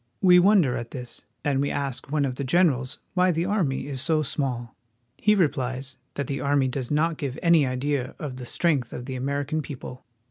We wonder at this, and we ask one of the generals why the army is so small. He replies that the army does not give any idea of the strength of the American people.